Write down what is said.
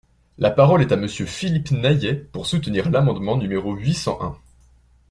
La parole est à Monsieur Philippe Naillet, pour soutenir l’amendement numéro huit cent un.